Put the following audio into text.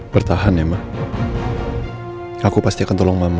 bertahan ya mbak aku pasti akan tolong mama